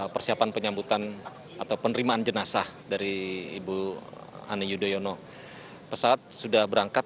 persiapan penyambutan atau penerimaan jenazah dari ibu ani yudhoyono pesawat sudah berangkat